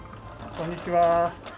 こんにちは。